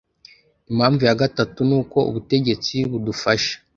Impamvu ya gatatu ni uko ubutegetsi budufasha